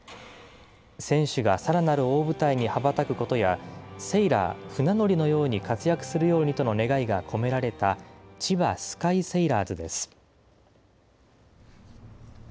選手がさらなる大舞台に羽ばたくことや、セイラー・船乗りのように活躍するようにとの願いが込められた千葉スカイセイラーズです。